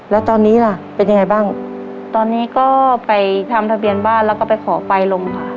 แล้วตอนนี้ล่ะเป็นยังไงบ้างตอนนี้ก็ไปทำทะเบียนบ้านแล้วก็ไปขอไปโรงพยาบาล